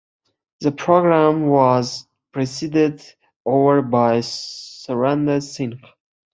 The programme was presided over by Surender Singh.